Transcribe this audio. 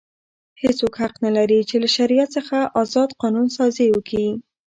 هیڅوک حق نه لري، چي له شریعت څخه ازاد قانون سازي وکي.